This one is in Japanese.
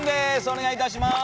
お願いいたします。